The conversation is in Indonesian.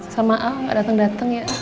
sama al gak dateng dateng ya